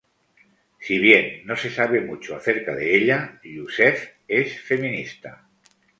Si bien no se sabe mucho acerca de ella, Yousef es feminista.